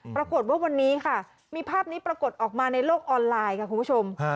ปรากฏว่าวันนี้ค่ะมีภาพนี้ปรากฏออกมาในโลกออนไลน์ค่ะคุณผู้ชม